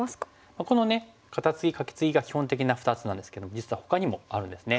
このカタツギカケツギが基本的な２つなんですけども実はほかにもあるんですね。